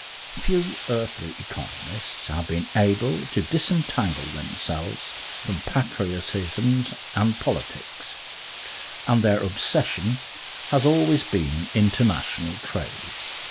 Few earthly economists have been able to disentangle themselves from patriotisms and politics, and their obsession has always been international trade.